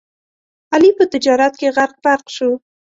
علي په تجارت کې غرق پرق شو.